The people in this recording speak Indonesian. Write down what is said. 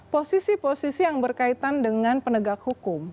posisi posisi yang berkaitan dengan penegak hukum